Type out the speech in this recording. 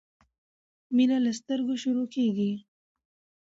مينه له سترګو شروع کیږی